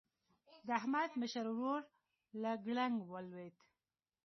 د احمد مشر ورور له ګړنګ ولوېد.